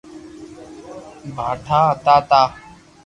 ڀآٺا ھتا تا